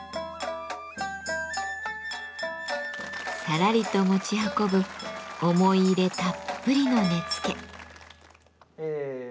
さらりと持ち運ぶ思い入れたっぷりの根付。